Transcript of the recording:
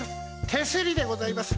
手すりでございます。